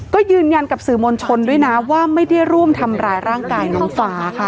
ก็ยืนยันกับสื่อมวลชนด้วยนะว่าไม่ได้ร่วมทำร้ายร่างกายน้องฟ้าค่ะ